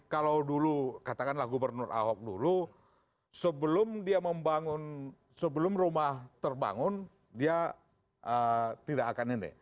kalau dulu katakanlah gubernur ahok dulu sebelum dia membangun sebelum rumah terbangun dia tidak akan ini